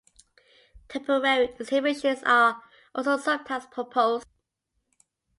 Temporary exhibitions are also sometimes proposed.